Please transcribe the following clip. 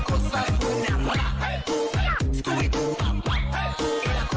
โอ้โฮ